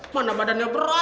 mana mah den yang berat